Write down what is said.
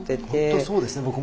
本当そうですね。